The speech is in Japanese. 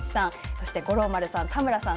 そして、五郎丸さん、田村さん